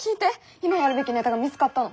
今やるべきネタが見つかったの。